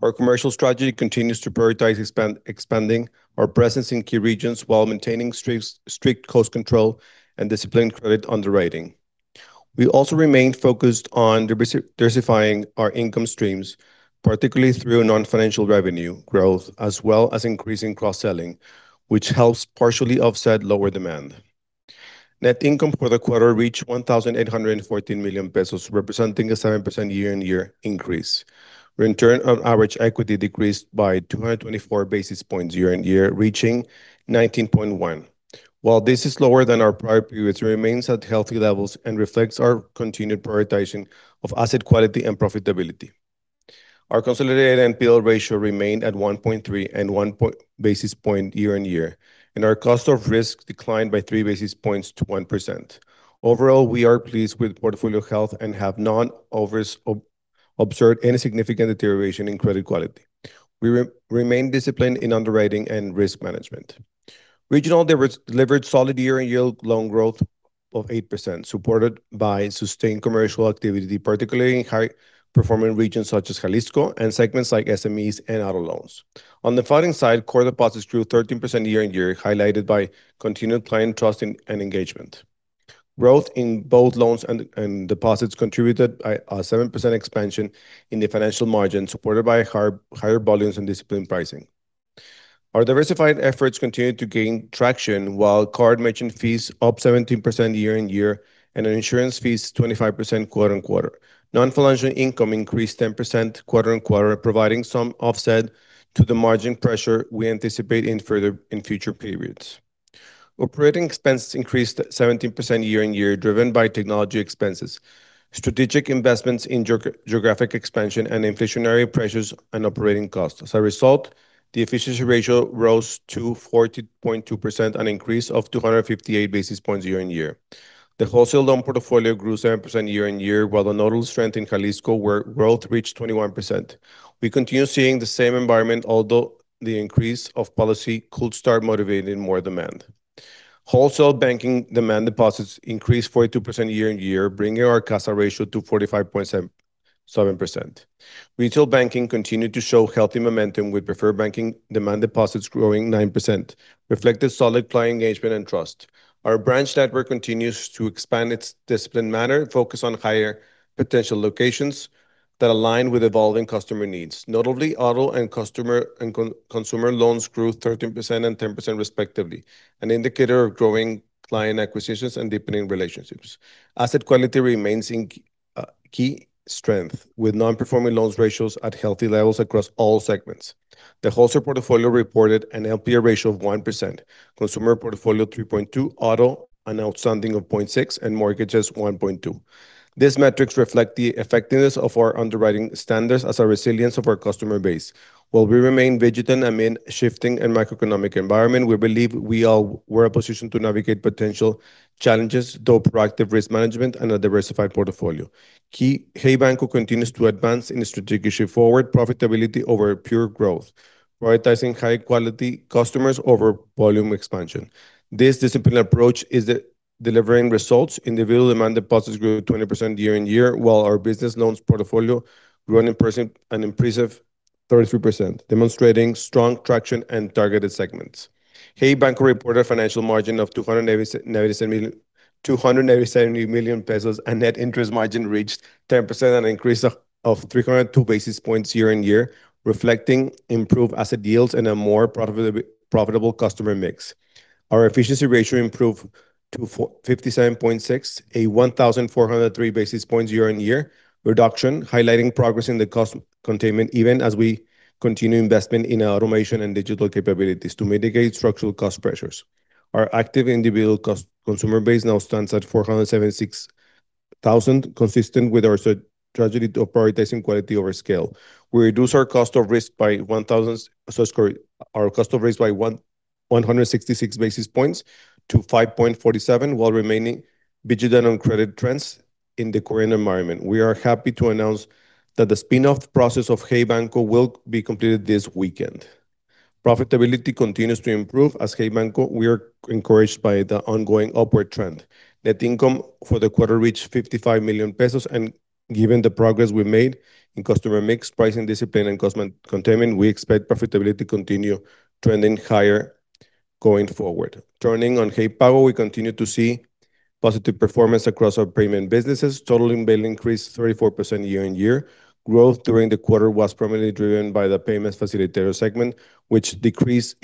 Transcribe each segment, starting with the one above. Our commercial strategy continues to prioritize expanding our presence in key regions while maintaining strict cost control and disciplined credit underwriting. We also remain focused on diversifying our income streams, particularly through non-financial revenue growth, as well as increasing cross-selling, which helps partially offset lower demand. Net income for the quarter reached 1,814 million pesos, representing a 7% year-on-year increase. Return on average equity decreased by 224 basis points year-on-year, reaching 19.1. While this is lower than our prior period, it remains at healthy levels and reflects our continued prioritizing of asset quality and profitability. Our consolidated NPL ratio remained at 1.3 and 1 basis point year-on-year, and our cost of risk declined by 3 basis points to 1%. Overall, we are pleased with portfolio health and have not observed any significant deterioration in credit quality. We remain disciplined in underwriting and risk management. Regional delivered solid year-on-year loan growth of 8%, supported by sustained commercial activity, particularly in high-performing regions such as Jalisco and segments like SMEs and auto loans. On the funding side, core deposits grew 13% year-on-year, highlighted by continued client trust and engagement. Growth in both loans and deposits contributed to a 7% expansion in the financial margin, supported by higher volumes and disciplined pricing. Our diversified efforts continued to gain traction, while card merchant fees up 17% year-on-year and our insurance fees 25% quarter-on-quarter. Non-financial income increased 10% quarter-on-quarter, providing some offset to the margin pressure we anticipate in future periods. Operating expenses increased 17% year-on-year, driven by technology expenses, strategic investments in geographic expansion, and inflationary pressures and operating costs. As a result, the efficiency ratio rose to 40.2%, an increase of 258 basis points year-on-year. The wholesale loan portfolio grew 7% year-on-year, while the notable strength in Jalisco, where growth reached 21%. We continue seeing the same environment, although the increase of policy could start motivating more demand. Wholesale banking demand deposits increased 42% year-on-year, bringing our CASA ratio to 45.77%. Retail banking continued to show healthy momentum, with preferred banking demand deposits growing 9%, reflecting solid client engagement and trust. Our branch network continues to expand its disciplined manner, focused on higher potential locations that align with evolving customer needs. Notably, auto and consumer loans grew 13% and 10% respectively, an indicator of growing client acquisitions and deepening relationships. Asset quality remains a key strength, with non-performing loan ratios at healthy levels across all segments. The wholesale portfolio reported an NPL ratio of 1%, consumer portfolio 3.2%, auto an outstanding of 0.6%, and mortgages 1.2%. These metrics reflect the effectiveness of our underwriting standards and our resilience of our customer base. While we remain vigilant amid shifting macroeconomic environment, we believe we're in a position to navigate potential challenges through proactive risk management and a diversified portfolio. Hey Banco continues to advance in its strategic shift forward, profitability over pure growth, prioritizing high-quality customers over volume expansion. This disciplined approach is delivering results. Individual demand deposits grew 20% year-on-year, while our business loans portfolio grew an impressive, an impressive 33%, demonstrating strong traction and targeted segments. Hey Banco reported a financial margin of 297 million, 297 million pesos, and net interest margin reached 10%, an increase of three hundred and two basis points year-on-year, reflecting improved asset yields and a more profitable, profitable customer mix. Our efficiency ratio improved to 457.6, a 1,403 basis points year-on-year reduction, highlighting progress in the cost containment, even as we continue investment in automation and digital capabilities to mitigate structural cost pressures. Our active individual consumer base now stands at 476,000, consistent with our strategy to prioritizing quality over scale. We reduced our cost of risk by 1,000... Sorry, our cost of risk by 166 basis points to 5.47, while remaining vigilant on credit trends in the current environment. We are happy to announce that the spin-off process of Hey Banco will be completed this weekend. Profitability continues to improve. As Hey Banco, we are encouraged by the ongoing upward trend. Net income for the quarter reached 55 million pesos, and given the progress we made in customer mix, pricing discipline, and cost containment, we expect profitability to continue trending higher going forward. Turning to Hey Pago, we continue to see positive performance across our payment businesses, TPV increased 34% year-on-year. Growth during the quarter was primarily driven by the payments facilitator segment, which increased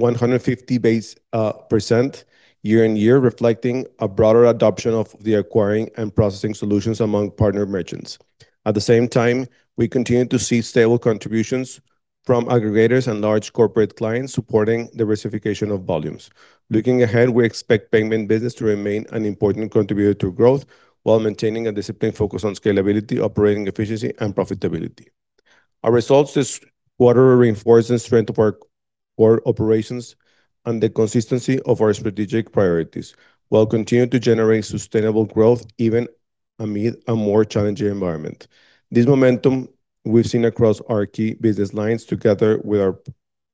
150% year-on-year, reflecting a broader adoption of the acquiring and processing solutions among partner merchants. At the same time, we continue to see stable contributions from aggregators and large corporate clients supporting diversification of volumes. Looking ahead, we expect payment business to remain an important contributor to growth while maintaining a disciplined focus on scalability, operating efficiency, and profitability. Our results this quarter reinforce the strength of our operations and the consistency of our strategic priorities, while continuing to generate sustainable growth even amid a more challenging environment. This momentum we've seen across our key business lines, together with our-...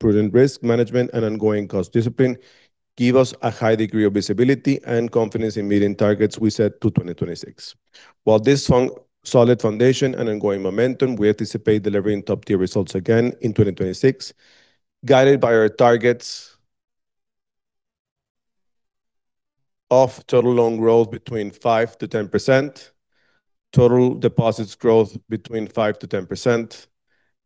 prudent risk management, and ongoing cost discipline give us a high degree of visibility and confidence in meeting targets we set to 2026. While this strong, solid foundation and ongoing momentum, we anticipate delivering top-tier results again in 2026, guided by our targets of total loan growth between 5%-10%, total deposits growth between 5%-10%,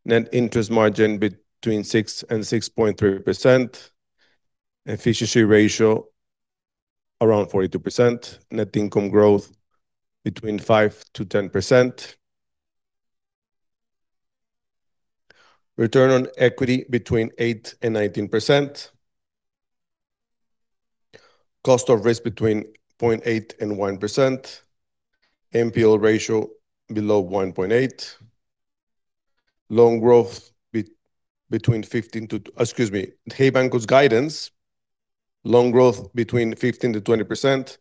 net interest margin between 6%-6.3%, efficiency ratio around 42%, net income growth between 5%-10%, return on equity between 8%-19%, cost of risk between 0.8%-1%, NPL ratio below 1.8, excuse me, Hey Banco's guidance, loan growth between 15%-20%,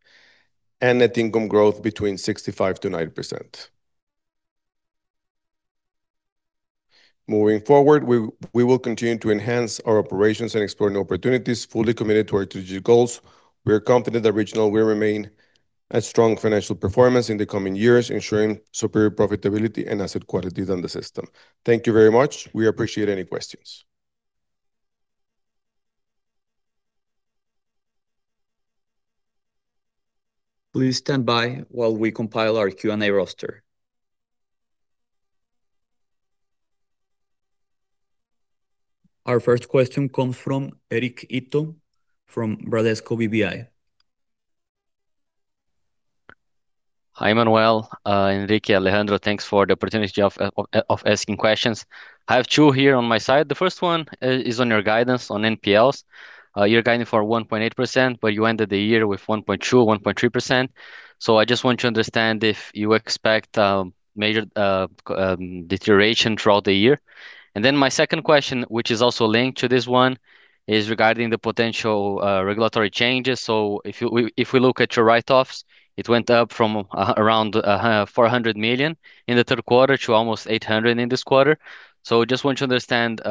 and net income growth between 65%-90%. Moving forward, we will continue to enhance our operations and explore new opportunities, fully committed to our strategic goals. We are confident that Regional will remain a strong financial performance in the coming years, ensuring superior profitability and asset quality than the system. Thank you very much. We appreciate any questions. Please stand by while we compile our Q&A roster. Our first question comes from Eric Ito from Bradesco BBI. Hi, Manuel, Enrique, Alejandro. Thanks for the opportunity of asking questions. I have two here on my side. The first one is on your guidance on NPLs. You're guiding for 1.8%, but you ended the year with 1.2%, 1.3%. So I just want to understand if you expect major deterioration throughout the year. And then my second question, which is also linked to this one, is regarding the potential regulatory changes. So if we look at your write-offs, it went up from around 400 million in the third quarter to almost 800 million in this quarter. So just want to understand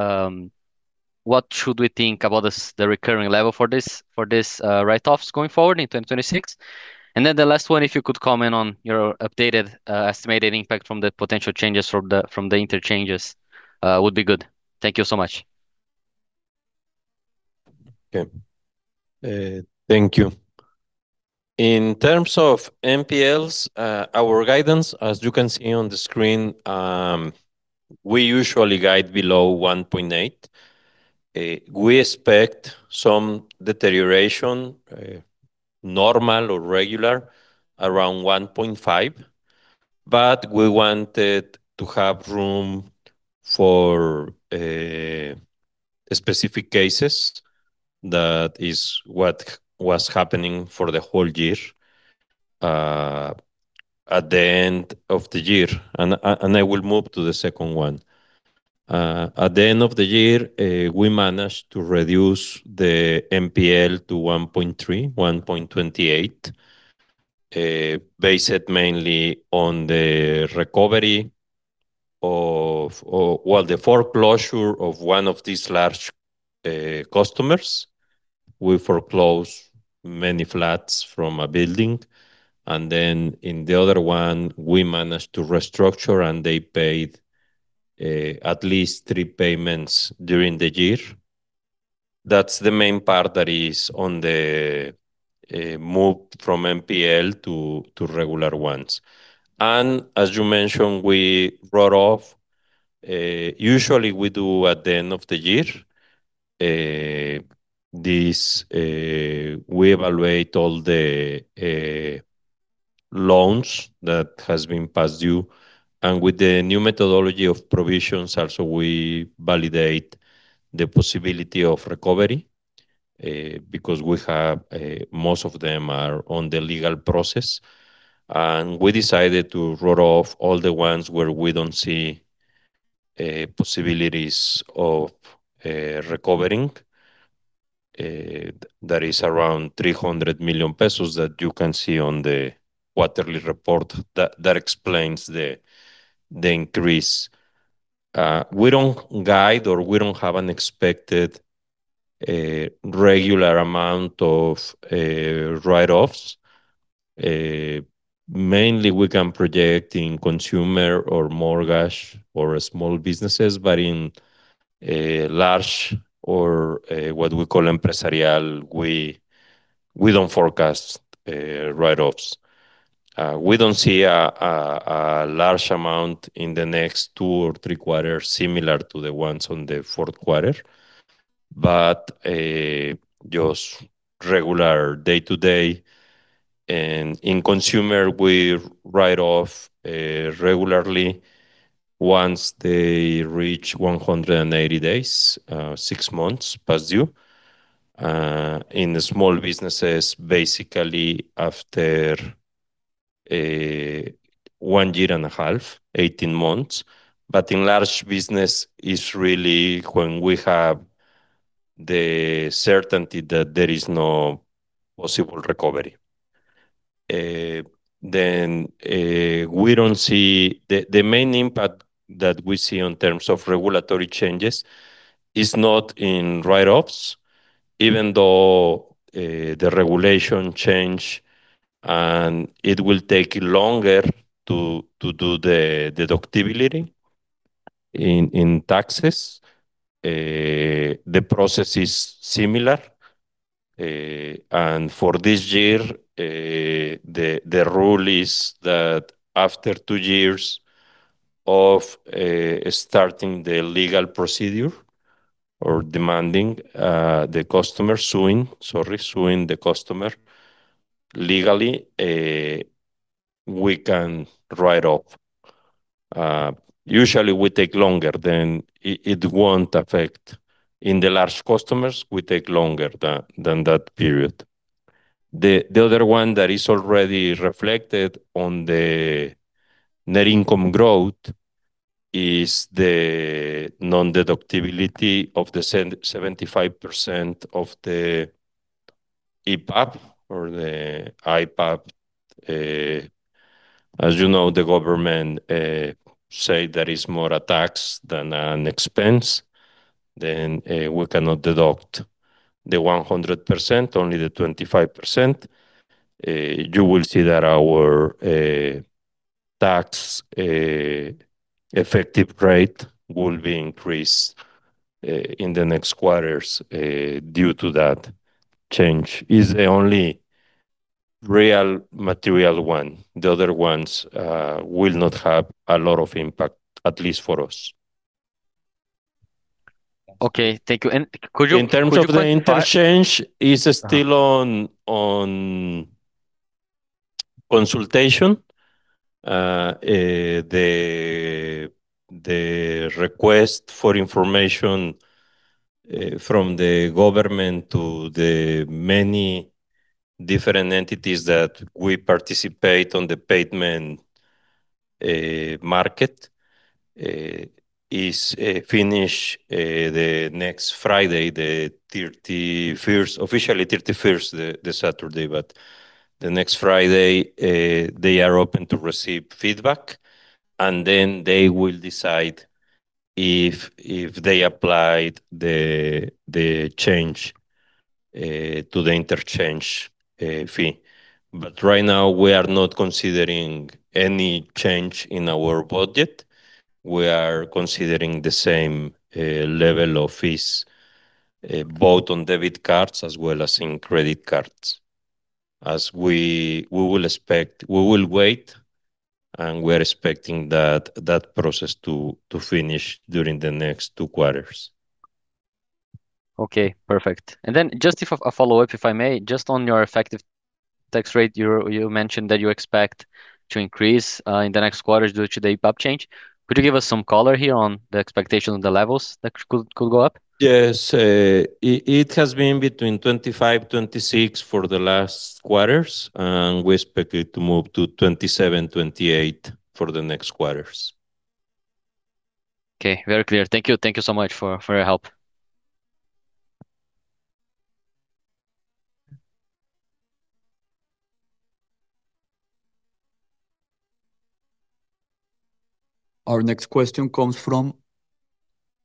what should we think about this, the recurring level for this, for this write-offs going forward in 2026? Then the last one, if you could comment on your updated estimated impact from the potential changes from the interchanges, would be good. Thank you so much. Okay, thank you. In terms of NPLs, our guidance, as you can see on the screen, we usually guide below 1.8. We expect some deterioration, normal or regular, around 1.5, but we wanted to have room for specific cases. That is what was happening for the whole year, at the end of the year. And I will move to the second one. At the end of the year, we managed to reduce the NPL to 1.3, 1.28, based mainly on the recovery of... well, the foreclosure of one of these large customers. We foreclose many flats from a building, and then in the other one, we managed to restructure, and they paid at least three payments during the year. That's the main part that is on the move from NPL to regular ones. And as you mentioned, we wrote off, usually we do at the end of the year, this we evaluate all the loans that has been past due, and with the new methodology of provisions, also we validate the possibility of recovery, because we have most of them are on the legal process. And we decided to write off all the ones where we don't see possibilities of recovering. That is around 300 million pesos that you can see on the quarterly report. That explains the increase. We don't guide, or we don't have an expected regular amount of write-offs. Mainly, we can project in consumer or mortgage or small businesses, but in a large or a, what we call empresarial, we, we don't forecast, write-offs. We don't see a, a, a large amount in the next two or three quarters, similar to the ones on the fourth quarter, but, just regular day-to-day. And in consumer, we write off, regularly once they reach 180 days, six months past due. In the small businesses, basically after, one year and a half, 18 months. But in large business is really when we have the certainty that there is no possible recovery. Then, we don't see the main impact that we see in terms of regulatory changes is not in write-offs, even though the regulation change, and it will take longer to do the deductibility in taxes. The process is similar, and for this year, the rule is that after two years of starting the legal procedure or demanding the customer suing, sorry, suing the customer, legally, we can write off. Usually will take longer, then it won't affect. In the large customers, will take longer than that period. The other one that is already reflected on the net income growth is the non-deductibility of the 75% of the IPAB. As you know, the government say that is more a tax than an expense, then we cannot deduct the 100%, only the 25%. You will see that our tax effective rate will be increased in the next quarters due to that change. Is the only real material one. The other ones will not have a lot of impact, at least for us. Okay, thank you. And could you- In terms of the interchange, it's still on consultation. The request for information from the government to the many different entities that we participate in the payment market is to finish the next Friday, the 31st, officially 31st, the Saturday. But the next Friday, they are open to receive feedback, and then they will decide if they applied the change to the interchange fee. But right now, we are not considering any change in our budget. We are considering the same level of fees both on debit cards as well as in credit cards. As we will wait, and we're expecting that process to finish during the next two quarters. Okay, perfect. And then just a follow-up, if I may, just on your effective tax rate. You mentioned that you expect to increase in the next quarter due to the IPAB change. Could you give us some color here on the expectation of the levels that could go up? Yes. It has been between 25-26 for the last quarters, and we expect it to move to 27-28 for the next quarters. Okay. Very clear. Thank you. Thank you so much for, for your help. Our next question comes from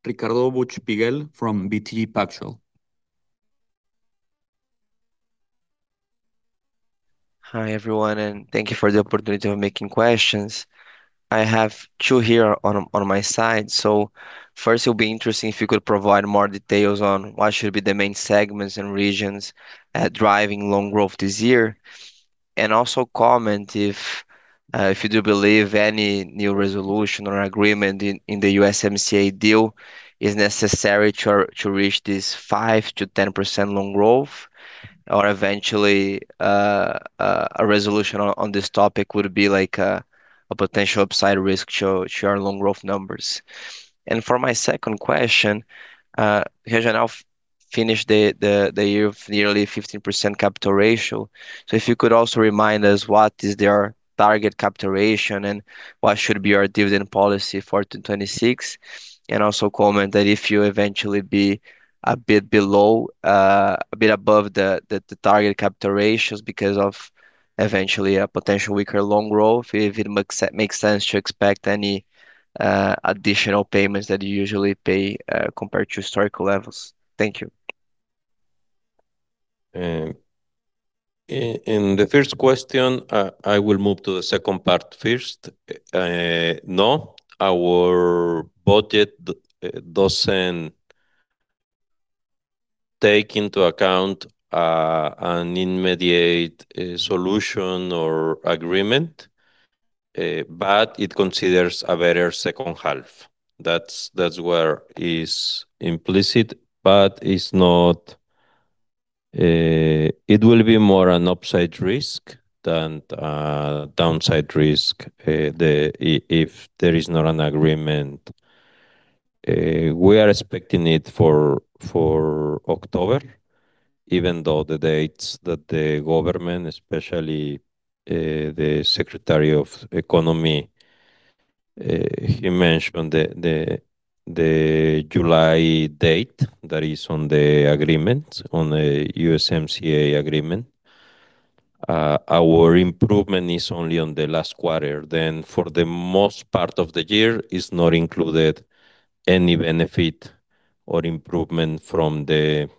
Ricardo Buchpiguel from BTG Pactual. Hi, everyone, and thank you for the opportunity of making questions. I have two here on my side. So first, it would be interesting if you could provide more details on what should be the main segments and regions driving loan growth this year. And also comment if you do believe any new resolution or agreement in the USMCA deal is necessary to reach this 5%-10% loan growth, or eventually a resolution on this topic would be like a potential upside risk to your loan growth numbers? And for my second question, here now finish the year of nearly 15% capital ratio. So if you could also remind us what is their target capital ratio, and what should be our dividend policy for 2026? Also comment that if you eventually be a bit below, a bit above the target capital ratios because of eventually a potential weaker loan growth, if it makes sense to expect any additional payments that you usually pay, compared to historical levels. Thank you. In the first question, I will move to the second part first. No, our budget doesn't take into account an immediate solution or agreement, but it considers a better second half. That's where is implicit, but it's not. It will be more an upside risk than downside risk if there is not an agreement. We are expecting it for October, even though the dates that the government, especially the Secretary of Economy, he mentioned the July date that is on the agreement, on the USMCA agreement. Our improvement is only on the last quarter, then for the most part of the year is not included any benefit or improvement from the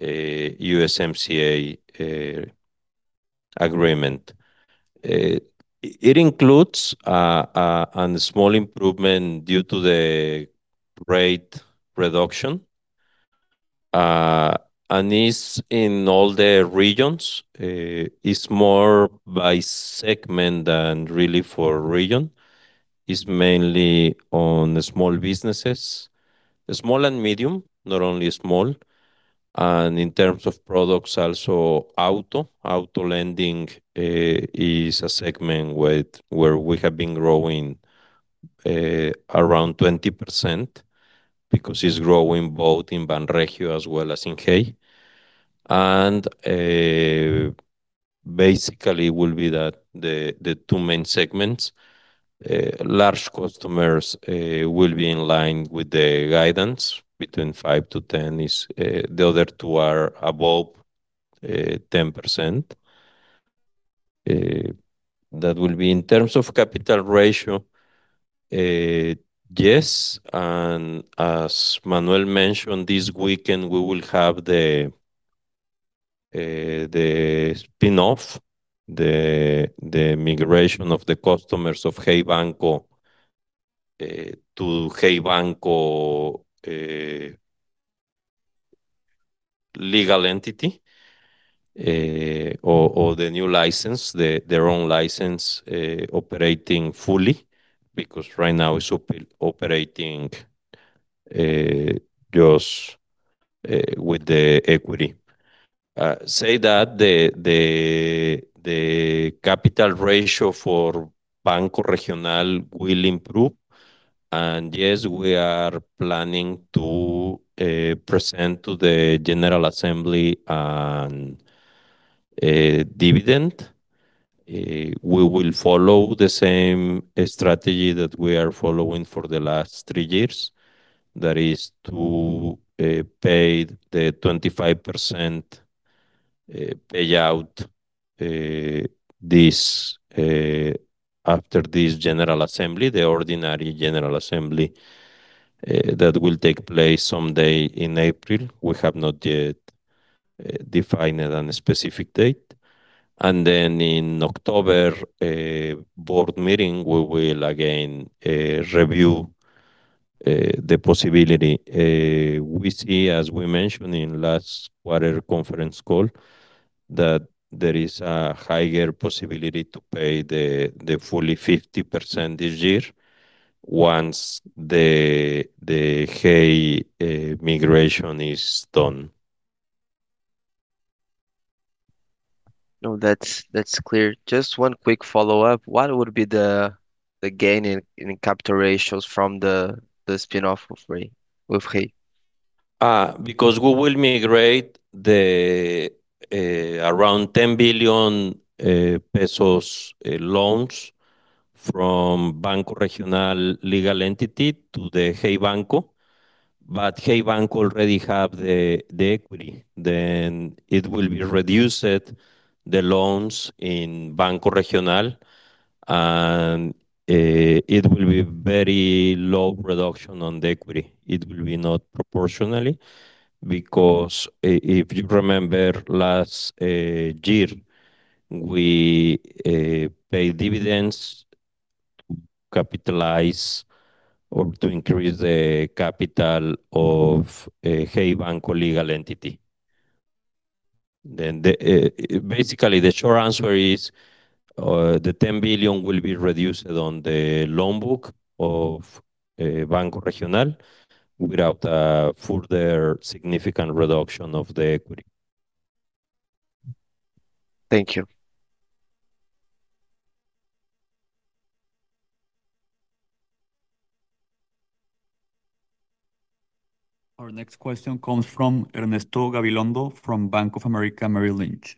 USMCA agreement. It includes on the small improvement due to the rate reduction, and is in all the regions, is more by segment than really for region, is mainly on the small businesses. The small and medium, not only small, and in terms of products, also auto. Auto lending is a segment where we have been growing around 20%, because it's growing both in Banregio as well as in Hey. And basically will be that the two main segments, large customers, will be in line with the guidance between 5%-10%. The other two are above 10%. That will be in terms of capital ratio. Yes, and as Manuel mentioned, this weekend we will have the spin-off, the migration of the customers of Hey Banco to Hey Banco legal entity, or the new license, their own license, operating fully, because right now it's operating just with the equity. Say that the capital ratio for Banco Regional will improve, and yes, we are planning to present to the General Assembly a dividend. We will follow the same strategy that we are following for the last three years, that is to pay the 25% payout, this after this general assembly, the ordinary general assembly, that will take place someday in April. We have not yet defined it on a specific date. Then in October board meeting, we will again review the possibility. We see, as we mentioned in last quarter conference call, that there is a higher possibility to pay the fully 50% this year once the Hey migration is done. No, that's clear. Just one quick follow-up. What would be the gain in capital ratios from the spin-off of Hey, with Hey? Because we will migrate the around 10 billion pesos in loans from Banco Regional legal entity to the Hey Banco. But Hey Banco already have the, the equity, then it will be reduced the loans in Banco Regional, and it will be very low reduction on the equity. It will be not proportionally, because if you remember, last year, we paid dividends to capitalize or to increase the capital of a Hey Banco legal entity. Then the... Basically, the short answer is, the 10 billion will be reduced on the loan book of Banco Regional without further significant reduction of the equity. Thank you. Our next question comes from Ernesto Gabilondo, from Bank of America Merrill Lynch.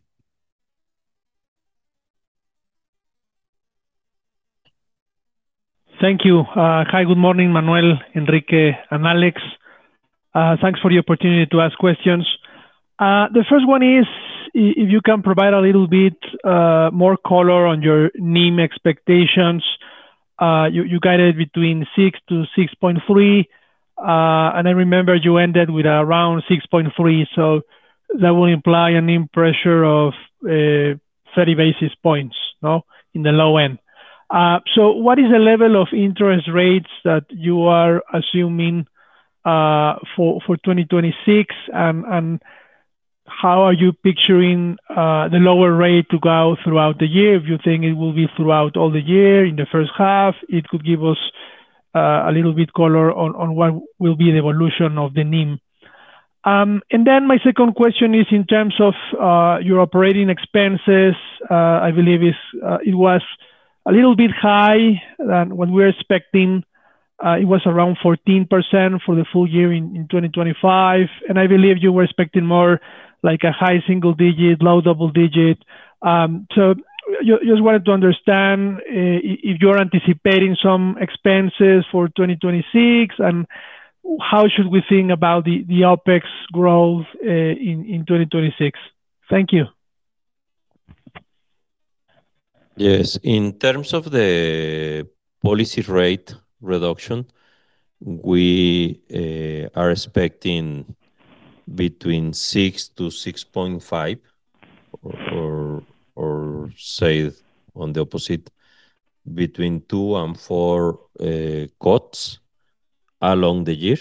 Thank you. Hi, good morning, Manuel, Enrique, and Alej. Thanks for the opportunity to ask questions. The first one is, if you can provide a little bit more color on your NIM expectations. You guided between 6-6.3, and I remember you ended with around 6.3, so that will imply a NIM pressure of 30 basis points, no? In the low end. So what is the level of interest rates that you are assuming for 2026? And how are you picturing the lower rate to go throughout the year, if you think it will be throughout all the year, in the first half? It would give us a little bit color on what will be the evolution of the NIM. And then my second question is in terms of your operating expenses. I believe it was a little bit higher than what we were expecting. It was around 14% for the full year in 2025, and I believe you were expecting more like a high single digit, low double digit. So just wanted to understand if you are anticipating some expenses for 2026, and how should we think about the OpEx growth in 2026? Thank you. Yes. In terms of the policy rate reduction, we are expecting between 6-6.5 or, say, on the opposite, between two and four cuts along the year.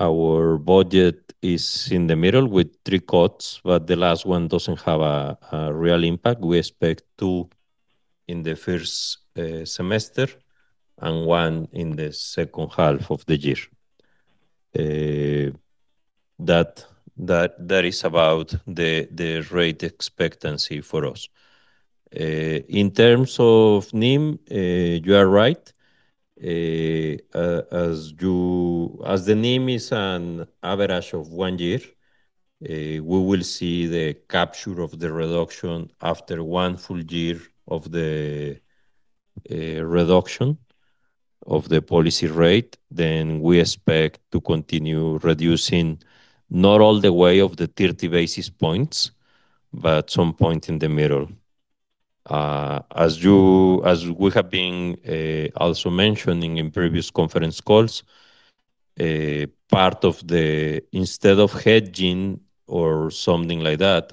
Our budget is in the middle with three cuts, but the last one doesn't have a real impact. We expect two in the first semester and one in the second half of the year. That is about the rate expectancy for us. In terms of NIM, you are right. As you, as the NIM is an average of one year, we will see the capture of the reduction after one full year of the reduction of the policy rate, then we expect to continue reducing not all the way of the 30 basis points, but some point in the middle. As you... As we have been, also mentioning in previous conference calls, a part of the instead of hedging or something like that,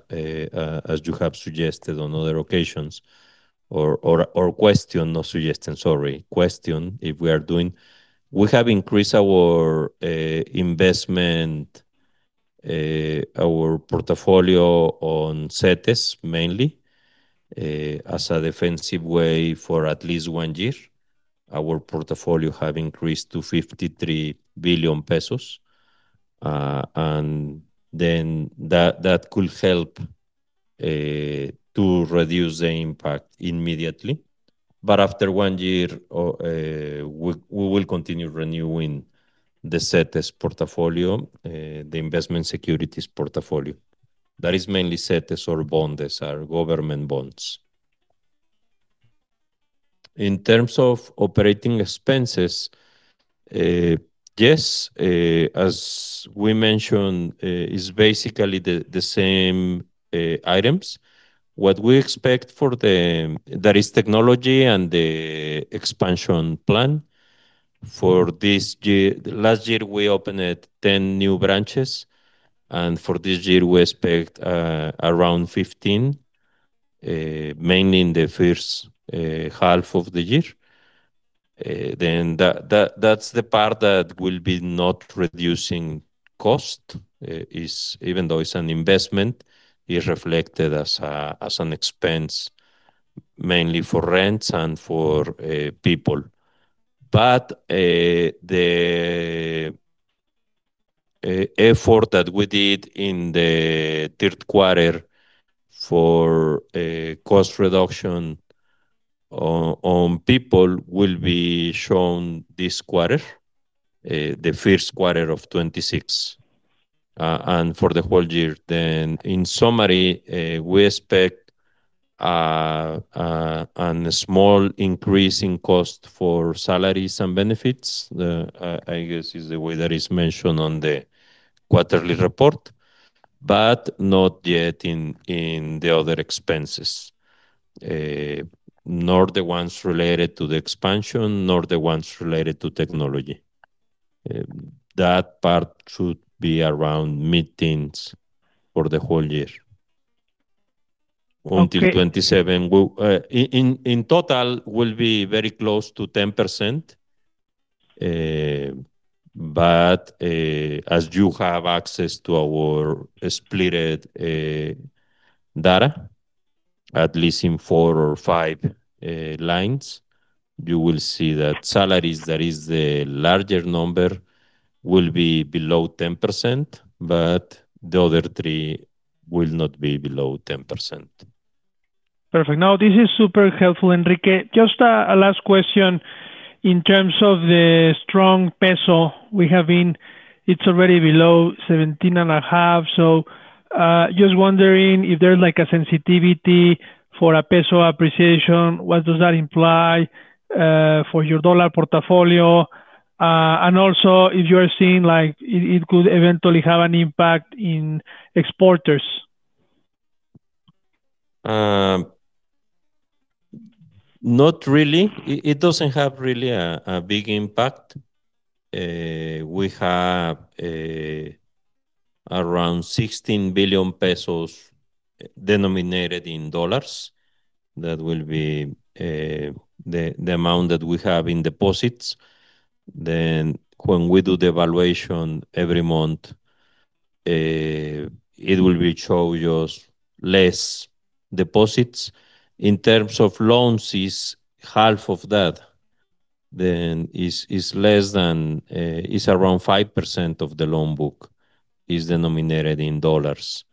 as you have suggested on other occasions or, or, or question, not suggestion, sorry, question, if we are doing, we have increased our, investment, our portfolio on Cetes mainly, as a defensive way for at least one year. Our portfolio have increased to 53 billion pesos, and then that, that could help, to reduce the impact immediately. But after one year, or, we, we will continue renewing the Cetes portfolio, the investment securities portfolio. That is mainly Cetes or bonds, our government bonds. In terms of operating expenses, yes, as we mentioned, it's basically the, the same, items. What we expect for the-- that is technology and the expansion plan for this year. Last year, we opened 10 new branches, and for this year we expect around 15, mainly in the first half of the year. Then that, that's the part that will be not reducing cost, is even though it's an investment, is reflected as an expense, mainly for rents and for people. But the effort that we did in the third quarter for a cost reduction on people will be shown this quarter, the first quarter of 2026, and for the whole year. Then, in summary, we expect on the small increase in cost for salaries and benefits, I guess, is the way that is mentioned on the quarterly report, but not yet in the other expenses, nor the ones related to the expansion, nor the ones related to technology. That part should be around mid-teens for the whole year. Okay. Until 2027, we'll, in total, will be very close to 10%. But as you have access to our split data, at least in four or five lines, you will see that salaries, that is the larger number, will be below 10%, but the other three will not be below 10%. Perfect. No, this is super helpful, Enrique. Just a last question. In terms of the strong peso. It's already below 17.5, so just wondering if there's, like, a sensitivity for a peso appreciation, what does that imply for your dollar portfolio? And also if you are seeing like it, it could eventually have an impact in exporters. Not really. It doesn't have really a big impact. We have around 16 billion pesos denominated in dollars. That will be the amount that we have in deposits. Then when we do the evaluation every month, it will show us less deposits. In terms of loans, is half of that, then is less than is around 5% of the loan book is denominated in dollars....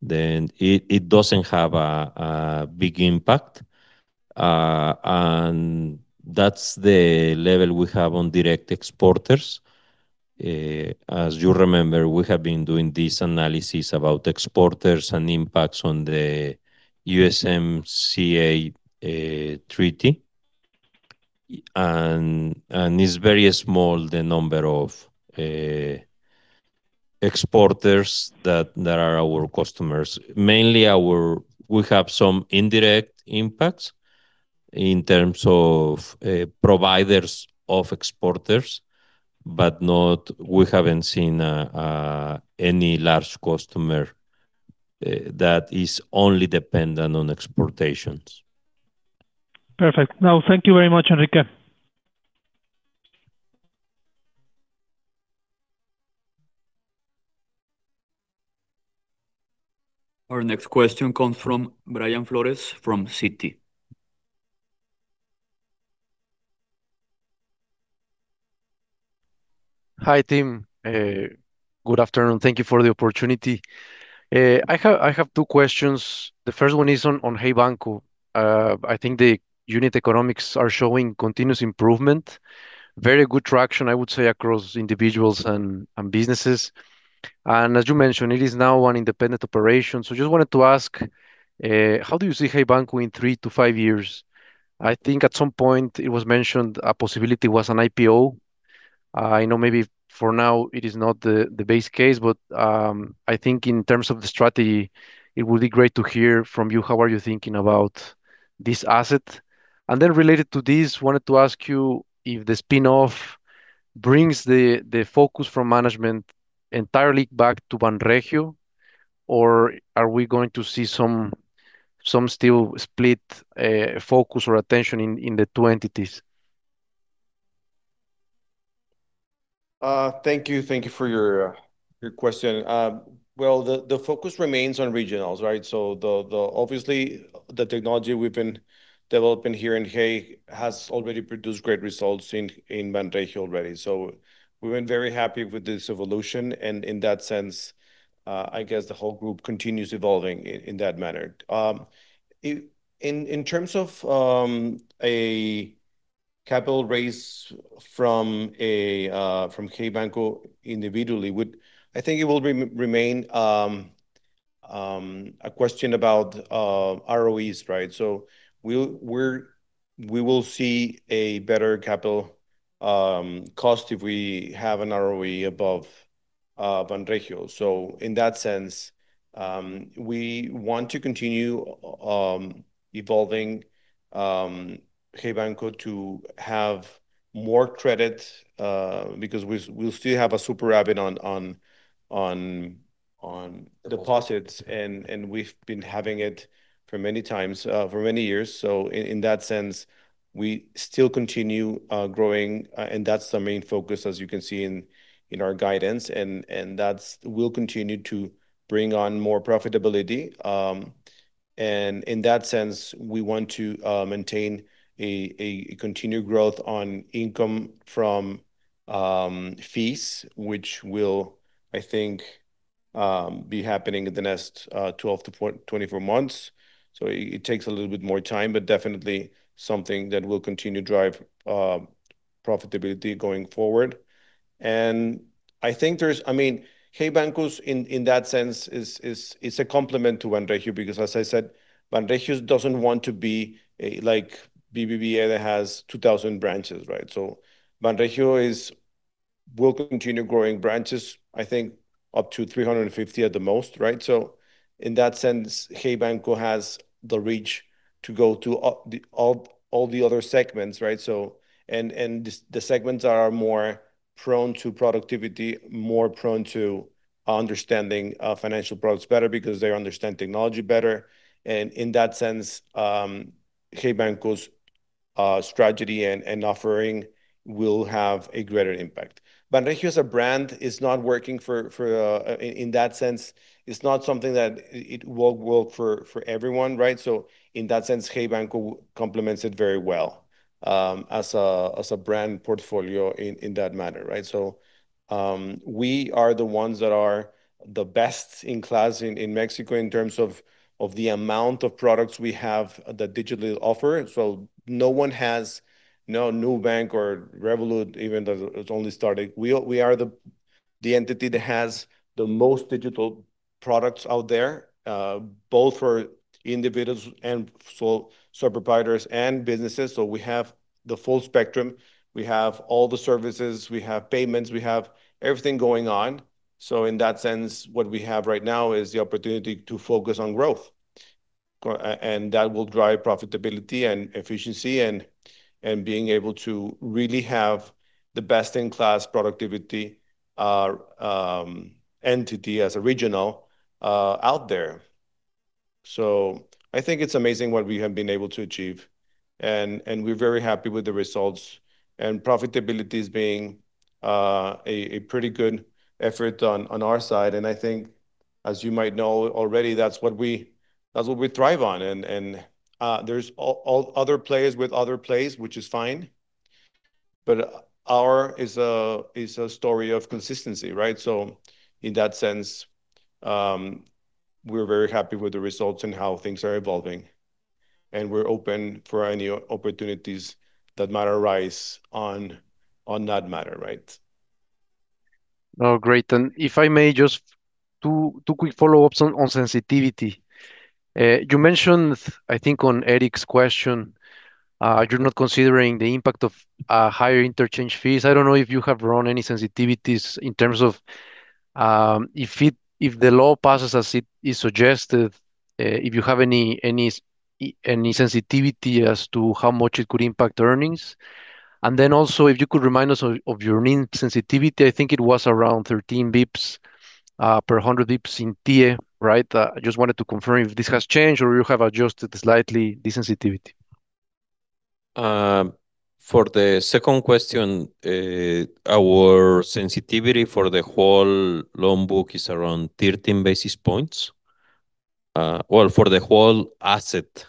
then it doesn't have a big impact. And that's the level we have on direct exporters. As you remember, we have been doing this analysis about exporters and impacts on the USMCA treaty, and it's very small, the number of exporters that are our customers. Mainly, we have some indirect impacts in terms of providers of exporters, but we haven't seen any large customer that is only dependent on exportations. Perfect. Now, thank you very much, Enrique. Our next question comes from Brian Flores from Citi. Hi, team, good afternoon. Thank you for the opportunity. I have, I have two questions. The first one is on Hey Banco. I think the unit economics are showing continuous improvement, very good traction, I would say, across individuals and businesses, and as you mentioned, it is now an independent operation. So just wanted to ask, how do you see Hey Banco in three to five years? I think at some point it was mentioned a possibility was an IPO. I know maybe for now it is not the base case, but I think in terms of the strategy, it would be great to hear from you, how are you thinking about this asset? Then related to this, wanted to ask you if the spin-off brings the focus from management entirely back to Banregio, or are we going to see some still split focus or attention in the two entities? Thank you. Thank you for your your question. Well, the focus remains on regionals, right? So, obviously, the technology we've been developing here in Hey has already produced great results in Banregio already. So we've been very happy with this evolution, and in that sense, I guess the whole group continues evolving in that manner. In terms of a capital raise from a from Hey Banco individually, would—I think it will remain a question about ROEs, right? So we'll—we will see a better capital cost if we have an ROE above Banregio. So in that sense, we want to continue evolving Hey Banco to have more credit because we'll still have a super rapid on deposits, and we've been having it for many times for many years. So in that sense, we still continue growing and that's the main focus, as you can see in our guidance, and that will continue to bring on more profitability. And in that sense, we want to maintain a continued growth on income from fees, which will, I think, be happening in the next 12-24 months. So it takes a little bit more time, but definitely something that will continue to drive profitability going forward. I think there's—I mean, Hey Banco's, in that sense, is a complement to Banregio, because, as I said, Banregio doesn't want to be a, like, BBVA that has 2,000 branches, right? So Banregio will continue growing branches, I think up to 350 at the most, right? So in that sense, Hey Banco has the reach to go to all the other segments, right? So the segments are more prone to productivity, more prone to understanding financial products better because they understand technology better. And in that sense, Hey Banco's strategy and offering will have a greater impact. Banregio, as a brand, is not working for—in that sense, it's not something that it will work for everyone, right? So in that sense, Hey Banco complements it very well, as a brand portfolio in that manner, right? So, we are the ones that are the best in class in Mexico in terms of the amount of products we have that digitally offer. So no one has, no Nubank or Revolut, even though it's only starting. We are the entity that has the most digital products out there, both for individuals and for service providers and businesses, so we have the full spectrum. We have all the services, we have payments, we have everything going on. So in that sense, what we have right now is the opportunity to focus on growth, and that will drive profitability and efficiency and being able to really have the best-in-class productivity, entity as Regional, out there. So I think it's amazing what we have been able to achieve, and we're very happy with the results, and profitability is being a pretty good effort on our side, and I think, as you might know already, that's what we thrive on. And there's all other players with other plays, which is fine... but ours is a story of consistency, right? So in that sense, we're very happy with the results and how things are evolving, and we're open for any opportunities that might arise on that matter, right? Oh, great. If I may, just two quick follow-ups on sensitivity. You mentioned, I think on Eric's question, you're not considering the impact of higher interchange fees. I don't know if you have run any sensitivities in terms of, if the law passes, as it is suggested, if you have any sensitivity as to how much it could impact earnings. And then also, if you could remind us of your NIM sensitivity, I think it was around 13 basis points per 100 basis points in TE, right? I just wanted to confirm if this has changed or you have adjusted slightly the sensitivity. For the second question, our sensitivity for the whole loan book is around 13 basis points. Well, for the whole asset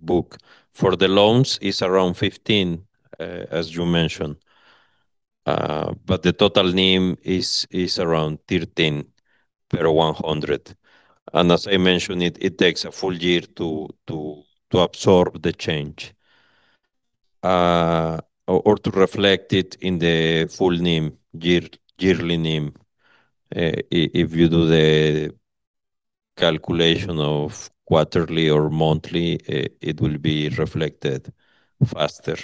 book. For the loans, it's around 15, as you mentioned, but the total NIM is around 13%. And as I mentioned, it takes a full year to absorb the change, or to reflect it in the full NIM, yearly NIM. If you do the calculation of quarterly or monthly, it will be reflected faster.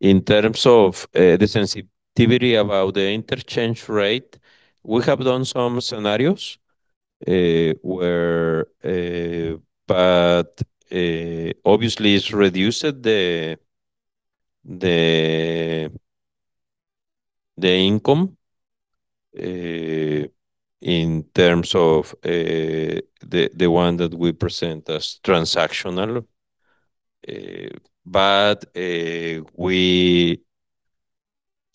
In terms of the sensitivity about the interchange rate, we have done some scenarios, where... But, obviously, it's reduced the income in terms of the one that we present as transactional. But, we...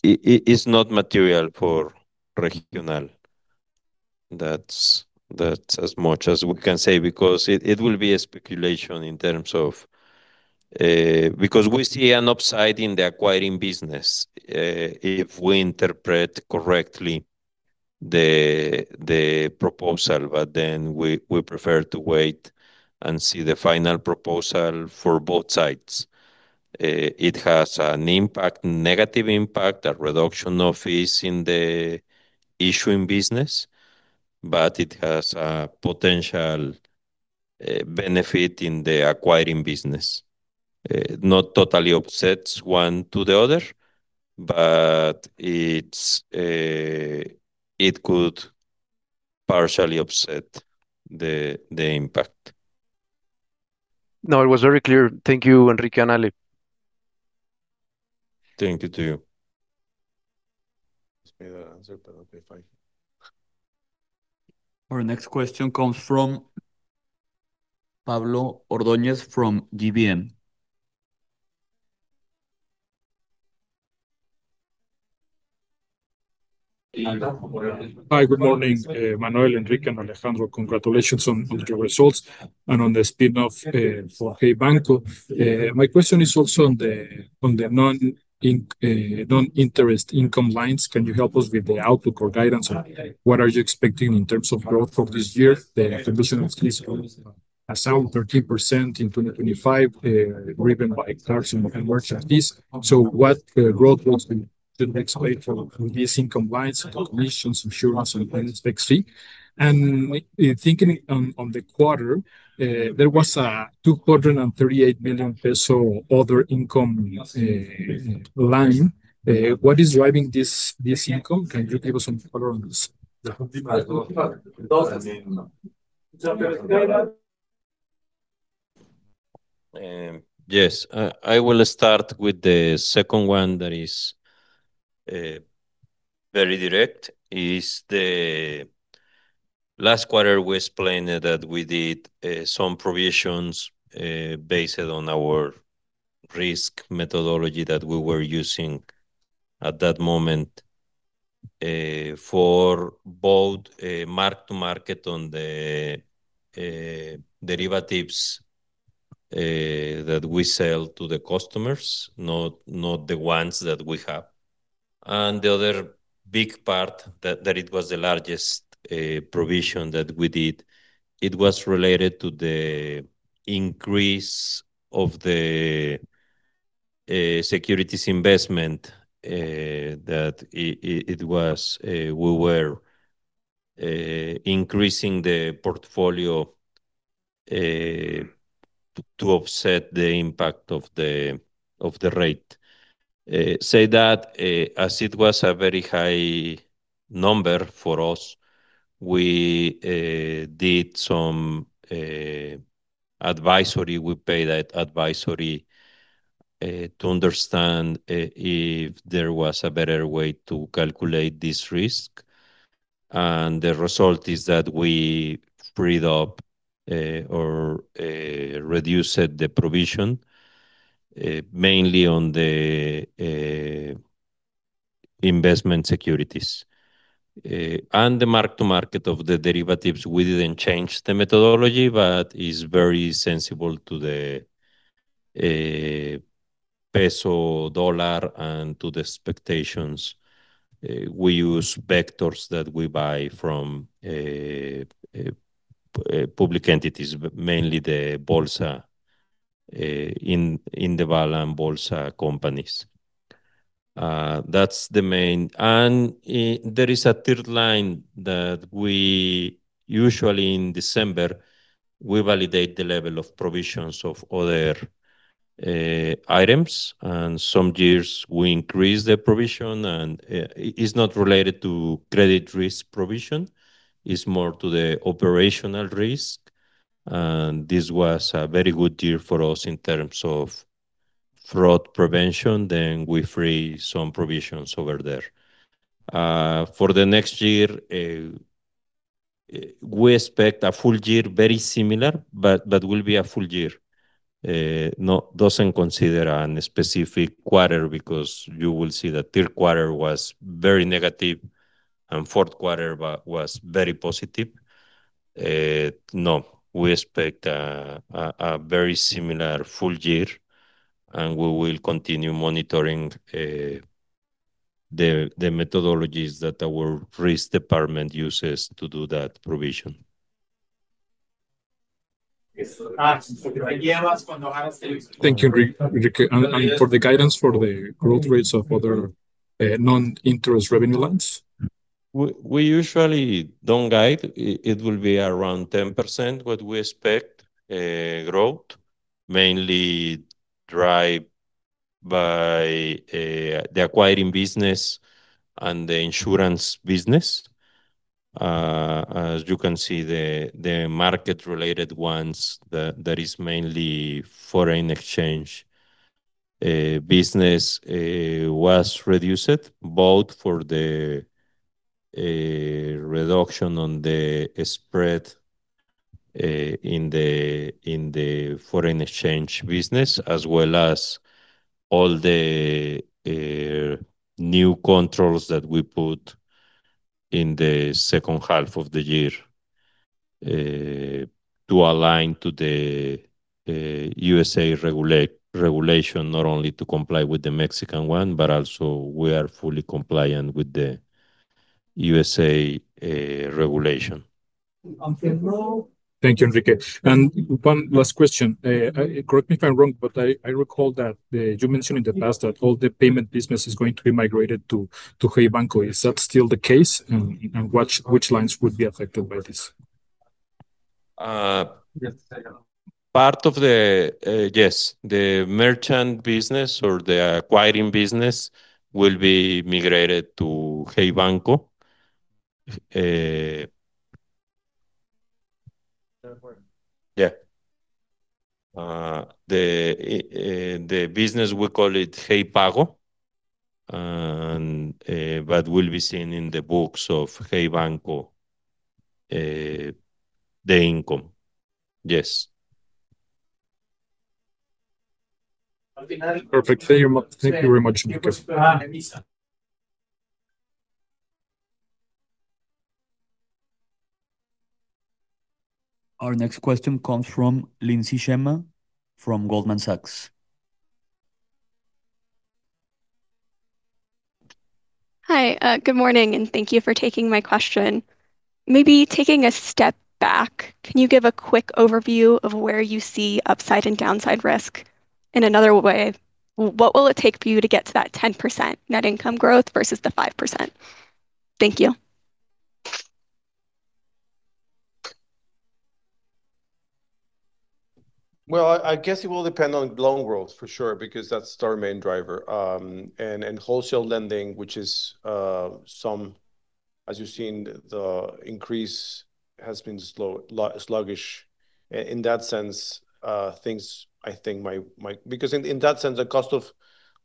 It, it's not material for Regional. That's as much as we can say, because it will be a speculation in terms of... Because we see an upside in the acquiring business, if we interpret correctly the proposal, but then we prefer to wait and see the final proposal for both sides. It has an impact, negative impact, a reduction of fees in the issuing business, but it has a potential benefit in the acquiring business. Not totally offsets one to the other, but it's it could partially offset the impact. No, it was very clear. Thank you, Enrique and Alej. Thank you too. Just made an answer, but that'll be fine. Our next question comes from Pablo Ordoñez from GBM. Hi, good morning, Manuel, Enrique, and Alejandro. Congratulations on your results and on the spin-off for Hey Banco. My question is also on the non-interest income lines. Can you help us with the outlook or guidance on what are you expecting in terms of growth for this year? The acquiring is around 13% in 2025, driven by cards and merchant fees. So what growth was the next play for these income lines, commissions, insurance, and platform fees? And thinking on the quarter, there was 238 million peso other income line. What is driving this income? Can you give us some color on this? Yes, I will start with the second one that is very direct, is the... Last quarter, we explained that we did some provisions based on our risk methodology that we were using at that moment for both mark to market on the derivatives that we sell to the customers, not the ones that we have. And the other big part, that it was the largest provision that we did, it was related to the increase of the securities investment that it was we were increasing the portfolio to offset the impact of the rate. So that, as it was a very high number for us, we did some advisory. We paid that advisory to understand if there was a better way to calculate this risk. And the result is that we freed up or reduced the provision mainly on the investment securities. And the mark to market of the derivatives, we didn't change the methodology, but is very sensible to the peso, dollar, and to the expectations. We use vectors that we buy from public entities, but mainly the bolsa in the vale and bolsa companies. That's the main. And there is a third line that we usually in December, we validate the level of provisions of other items, and some years we increase the provision, and it is not related to credit risk provision, it's more to the operational risk. This was a very good year for us in terms of fraud prevention, then we free some provisions over there. For the next year, we expect a full year very similar, but that will be a full year. No, doesn't consider a specific quarter, because you will see that third quarter was very negative and fourth quarter was very positive. No, we expect a very similar full year, and we will continue monitoring the methodologies that our risk department uses to do that provision. Thank you, Enrique. And for the guidance for the growth rates of other non-interest revenue lines? We usually don't guide. It will be around 10%, what we expect, growth, mainly derived by the acquiring business and the insurance business. As you can see, the market-related ones, that is mainly foreign exchange business, was reduced both for the reduction on the spread in the foreign exchange business, as well as all the new controls that we put in the second half of the year to align to the USA regulation, not only to comply with the Mexican one, but also we are fully compliant with the USA regulation. Thank you, Enrique. One last question. Correct me if I'm wrong, but I recall that you mentioned in the past that all the payment business is going to be migrated to Hey Banco. Is that still the case? And which lines would be affected by this? Part of the, yes, the merchant business or the acquiring business will be migrated to Hey Banco. Yeah. The business, we call it Hey Pago, and, but will be seen in the books of Hey Banco, the income. Yes. Perfect. Thank you very much, Enrique. Our next question comes from Lindsey Shema, from Goldman Sachs. Hi, good morning, and thank you for taking my question. Maybe taking a step back, can you give a quick overview of where you see upside and downside risk? In another way, what will it take for you to get to that 10% net income growth versus the 5%? Thank you. Well, I guess it will depend on loan growth for sure, because that's our main driver. And wholesale lending, which is, as you've seen, the increase has been slow, sluggish. In that sense, things, I think, might. Because in that sense, the cost of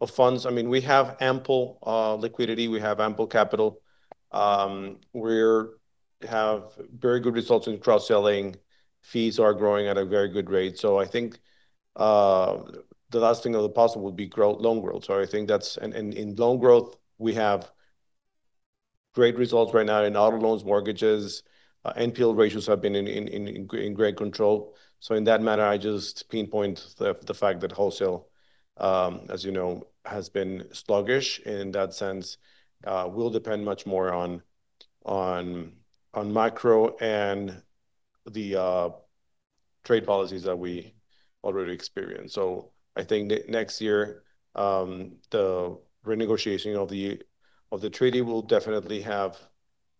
funds, I mean, we have ample liquidity, we have ample capital. We have very good results in cross-selling. Fees are growing at a very good rate. So I think, the last thing of the possible would be growth, loan growth. So I think that's. And in loan growth, we have great results right now in auto loans, mortgages. NPL ratios have been in great control. So in that manner, I just pinpoint the fact that wholesale, as you know, has been sluggish in that sense. We'll depend much more on macro and the trade policies that we already experienced. So I think next year, the renegotiation of the treaty will definitely have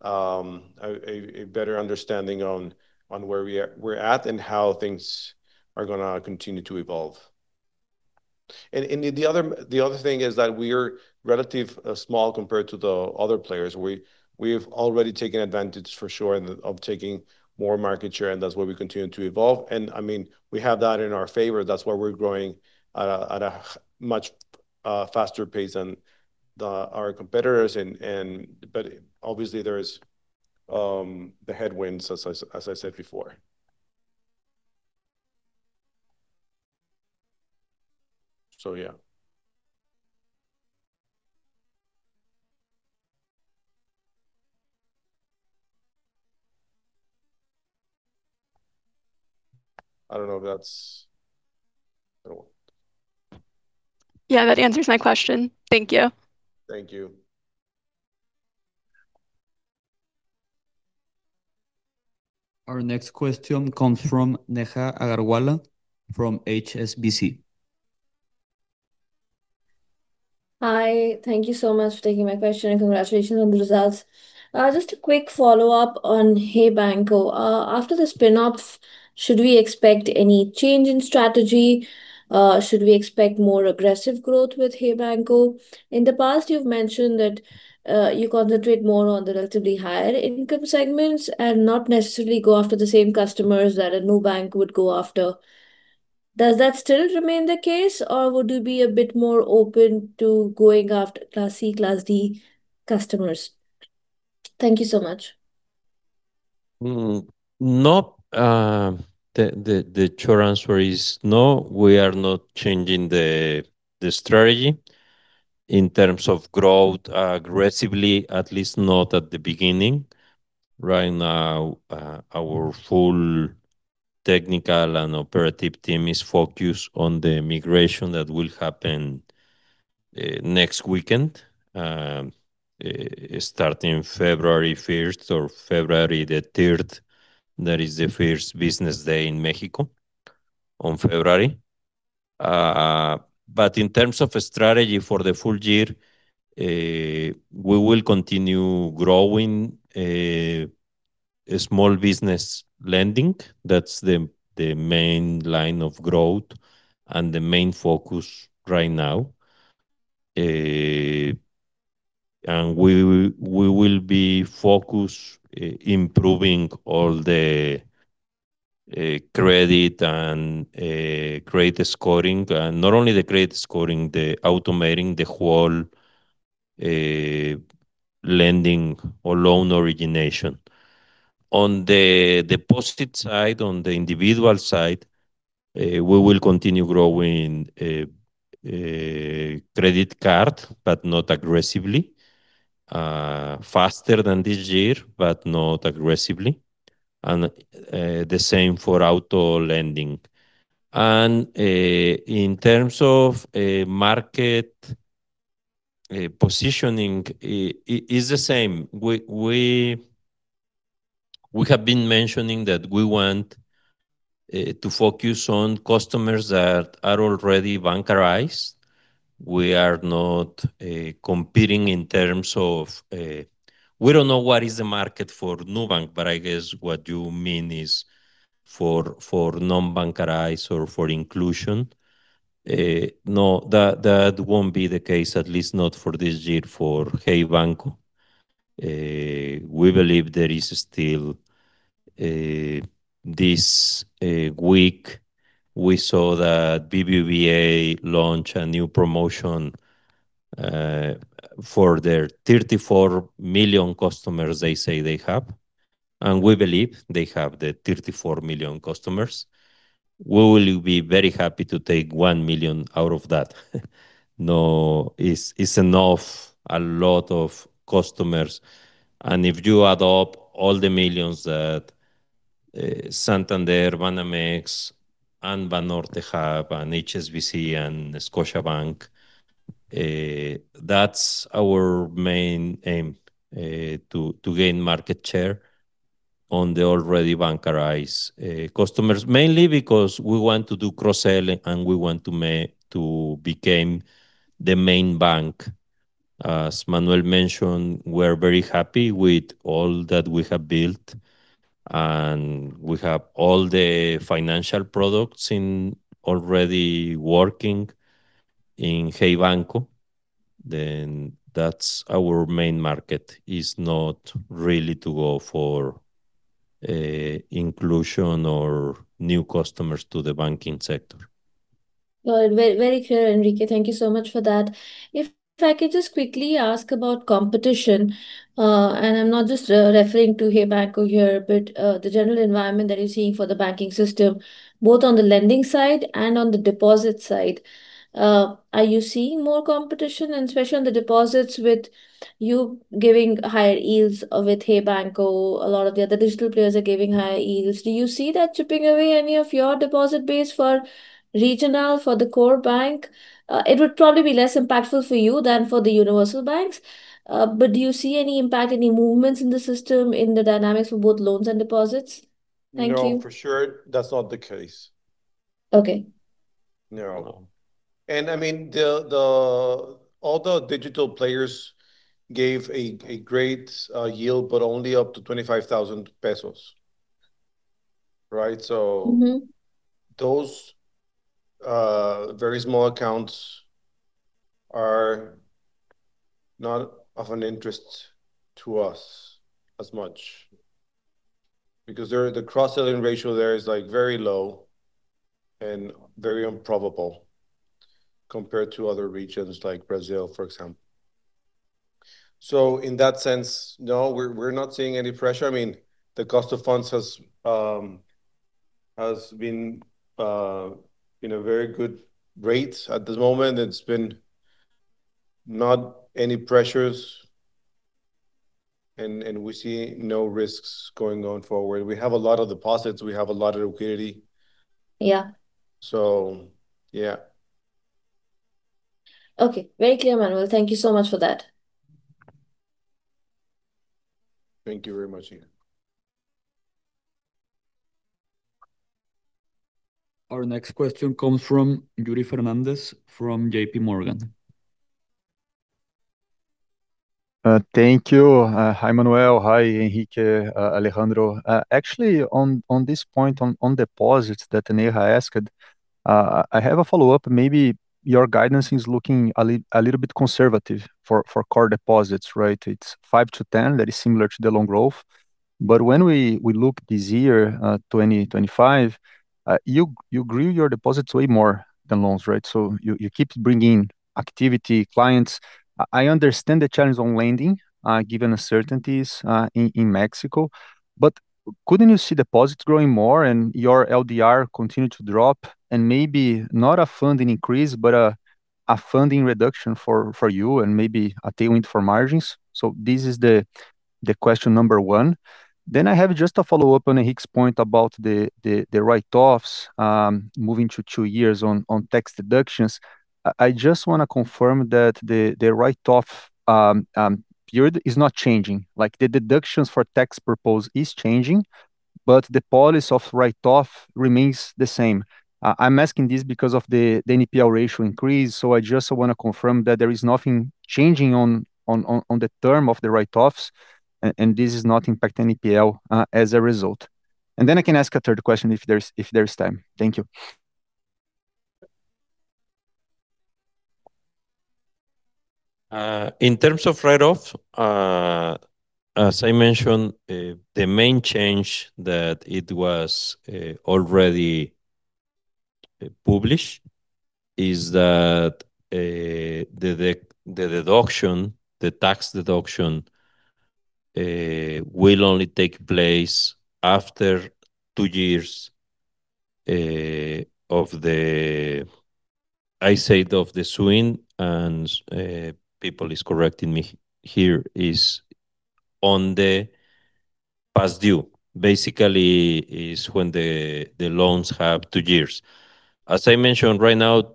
a better understanding on where we are, we're at and how things are gonna continue to evolve. And the other thing is that we are relatively small compared to the other players. We've already taken advantage for sure, and of taking more market share, and that's where we continue to evolve. And I mean, we have that in our favor. That's why we're growing at a much faster pace than our competitors and. But obviously, there is the headwinds, as I said before.... so, yeah. I don't know if that's. Yeah, that answers my question. Thank you. Thank you. Our next question comes from Neha Agarwala, from HSBC. Hi, thank you so much for taking my question, and congratulations on the results. Just a quick follow-up on Hey Banco. After the spin-offs, should we expect any change in strategy? Should we expect more aggressive growth with Hey Banco? In the past, you've mentioned that, you concentrate more on the relatively higher income segments, and not necessarily go after the same customers that a new bank would go after. Does that still remain the case, or would you be a bit more open to going after Class C, Class D customers? Thank you so much. The short answer is no, we are not changing the strategy in terms of growth, aggressively, at least not at the beginning. Right now, our full technical and operative team is focused on the migration that will happen, next weekend, starting February 1st or February the 3rd. That is the first business day in Mexico, on February. But in terms of a strategy for the full year, we will continue growing, small business lending. That's the main line of growth and the main focus right now. And we will be focused, improving all the credit and credit scoring. And not only the credit scoring, the automating the whole, lending or loan origination. On the posted side, on the individual side, we will continue growing credit card, but not aggressively. Faster than this year, but not aggressively, and the same for auto lending. And in terms of market positioning, it is the same. We have been mentioning that we want to focus on customers that are already bancarized. We are not competing in terms of... We don't know what is the market for Nubank, but I guess what you mean is for non-bancarized or for inclusion. No, that won't be the case, at least not for this year, for Hey Banco. We believe there is still... This week, we saw that BBVA launch a new promotion for their 34 million customers they say they have, and we believe they have the 34 million customers. We will be very happy to take 1 million out of that. No, it's enough, a lot of customers, and if you add up all the millions that Santander, Banamex, and Banorte have, and HSBC and Scotiabank, that's our main aim to gain market share on the already bancarized customers. Mainly because we want to do cross-selling, and we want to become the main bank. As Manuel mentioned, we're very happy with all that we have built, and we have all the financial products already working in Hey Banco; then that's our main market, it's not really to go for inclusion or new customers to the banking sector. Well, very, very clear, Enrique. Thank you so much for that. If I could just quickly ask about competition, and I'm not just referring to Hey Banco here, but the general environment that you're seeing for the banking system, both on the lending side and on the deposit side. Are you seeing more competition, and especially on the deposits, with you giving higher yields with Hey Banco, a lot of the other digital players are giving higher yields. Do you see that chipping away any of your deposit base for Regional, for the core bank? It would probably be less impactful for you than for the universal banks, but do you see any impact, any movements in the system, in the dynamics for both loans and deposits? Thank you. No, for sure, that's not the case. Okay. No. And I mean, all the digital players gave a great yield, but only up to 25,000 pesos, right? So- Mm-hmm... those very small accounts are not of an interest to us as much, because they're the cross-selling ratio there is, like, very low and very improbable compared to other regions, like Brazil, for example. So in that sense, no, we're not seeing any pressure. I mean, the cost of funds has been, you know, very good rates at the moment, and it's been not any pressures, and we see no risks going forward. We have a lot of deposits. We have a lot of liquidity. Yeah. So yeah. Okay. Very clear, Manuel. Thank you so much for that. Thank you very much, Neha. Our next question comes from Yuri Fernandes from JPMorgan. Thank you. Hi, Manuel. Hi, Enrique, Alejandro. Actually, on this point, on deposits that Neha asked, I have a follow-up. Maybe your guidance is looking a little bit conservative for core deposits, right? It's 5-10, that is similar to the loan growth. But when we look this year, 2025, you grew your deposits way more than loans, right? So you keep bringing activity, clients. I understand the challenge on lending, given uncertainties in Mexico, but couldn't you see deposits growing more and your LDR continue to drop, and maybe not a funding increase, but a funding reduction for you, and maybe a tailwind for margins? So this is the question number one. Then I have just a follow-up on Enrique's point about the write-offs moving to two years on tax deductions. I just wanna confirm that the write-off period is not changing. Like, the deductions for tax purpose is changing, but the policy of write-off remains the same. I'm asking this because of the NPL ratio increase, so I just wanna confirm that there is nothing changing on the term of the write-offs, and this is not impacting NPL as a result. And then I can ask a third question if there's time. Thank you. In terms of write-off, as I mentioned, the main change that was already published is that the deduction, the tax deduction, will only take place after two years of the, I said, of the swing, and people are correcting me here, it is on the past due. Basically, it is when the loans have two years. As I mentioned, right now,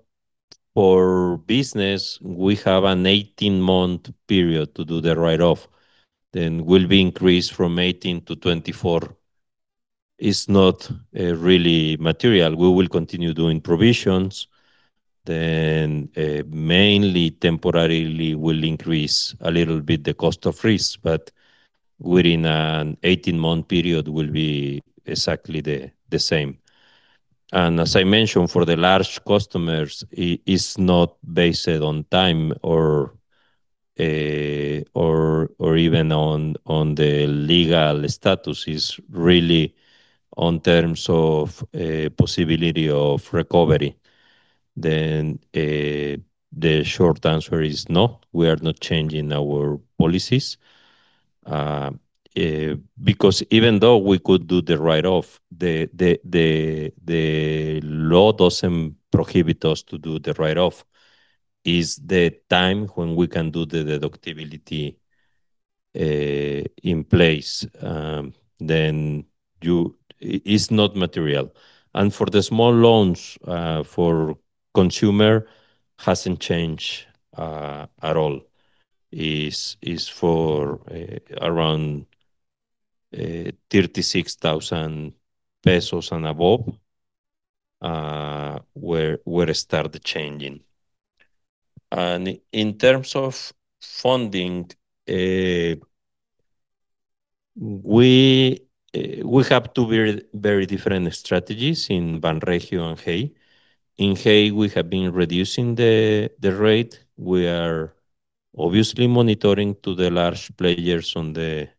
for business, we have an 18-month period to do the write-off, which will be increased from 18 to 24. It is not really material. We will continue doing provisions, then mainly temporarily will increase a little bit the cost of risk, but within an 18-month period will be exactly the same. As I mentioned, for the large customers, it is not based on time or even on the legal status. It's really on terms of possibility of recovery, then, the short answer is no, we are not changing our policies. Because even though we could do the write-off, the law doesn't prohibit us to do the write-off, is the time when we can do the deductibility in place, then you... It's not material. And for the small loans, for consumer, hasn't changed at all. It is for around 36,000 pesos and above, where it start changing. And in terms of funding, we have two very, very different strategies in Banregio and Hey. In Hey, we have been reducing the rate. We are obviously monitoring to the large players on the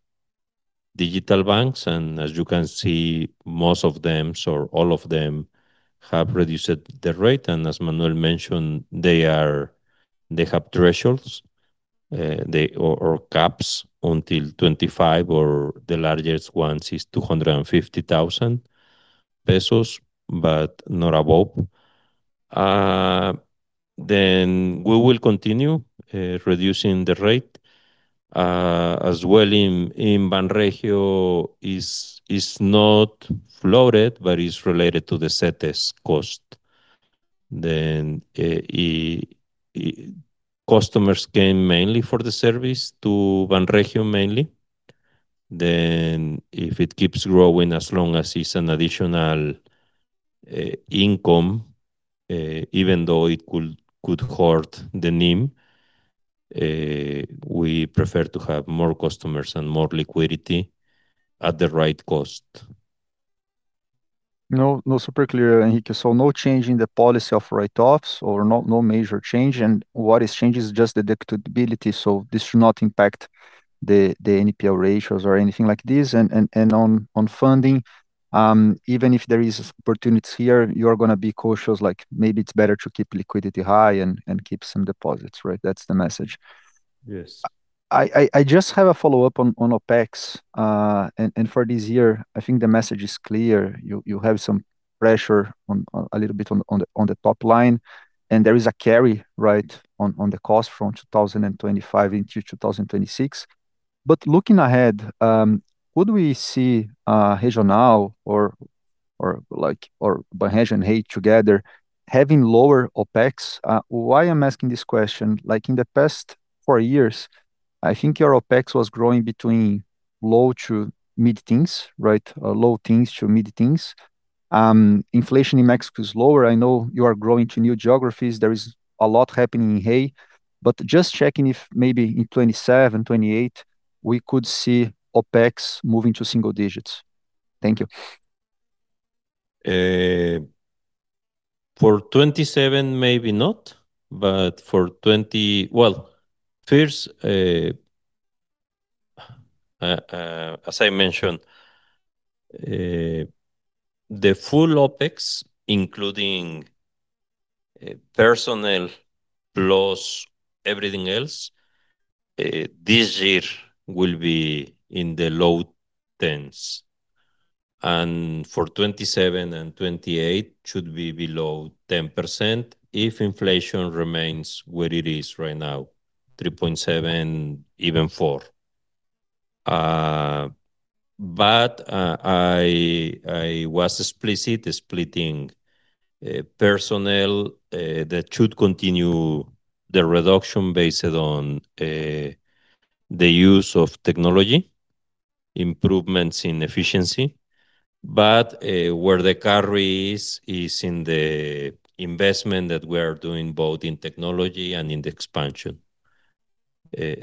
digital banks, and as you can see, most of them, so all of them, have reduced the rate. As Manuel mentioned, they have thresholds. Or caps until 25, or the largest ones is 250,000 pesos, but not above. Then we will continue reducing the rate as well. In Banregio it is not floated, but is related to the Cetes cost. Then customers came mainly for the service to Banregio mainly. Then if it keeps growing, as long as it's an additional income, even though it could hurt the NIM, we prefer to have more customers and more liquidity at the right cost. No, no, super clear, Enrique. So no change in the policy of write-offs or no, no major change, and what has changed is just the deductibility, so this should not impact the NPL ratios or anything like this, and on funding, even if there is opportunities here, you're gonna be cautious, like maybe it's better to keep liquidity high and keep some deposits, right? That's the message. Yes. I just have a follow-up on OpEx. And for this year, I think the message is clear, you have some pressure on a little bit on the top line, and there is a carry, right, on the cost from 2025 into 2026. But looking ahead, would we see Regional or like Banregio and Hey together having lower OpEx? Why I'm asking this question, like in the past four years, I think your OpEx was growing between low to mid teens, right? Or low teens to mid teens. Inflation in Mexico is lower. I know you are growing to new geographies. There is a lot happening in Hey, but just checking if maybe in 2027, 2028, we could see OpEx moving to single digits. Thank you. For 2027, maybe not, but for 20... Well, first, as I mentioned, the full OpEx, including personnel, plus everything else, this year will be in the low tens, and for 2027 and 2028 should be below 10% if inflation remains where it is right now, 3.7%, even 4%. But, I was explicit, splitting personnel, that should continue the reduction based on the use of technology, improvements in efficiency. But, where the carry is, is in the investment that we are doing, both in technology and in the expansion.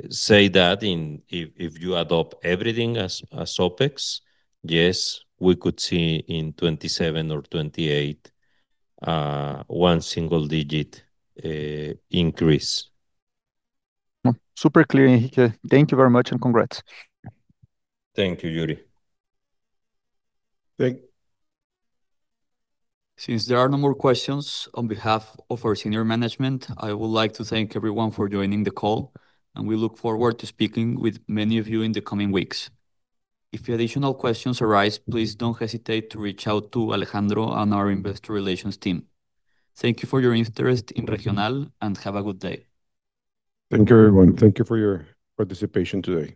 Say that in, if you adopt everything as OpEx, yes, we could see in 2027 or 2028, one single digit increase. Super clear, Enrique. Thank you very much, and congrats. Thank you, Yuri. Thank- Since there are no more questions on behalf of our senior management, I would like to thank everyone for joining the call, and we look forward to speaking with many of you in the coming weeks. If additional questions arise, please don't hesitate to reach out to Alejandro and our Investor Relations team. Thank you for your interest in Regional, and have a good day. Thank you, everyone. Thank you for your participation today.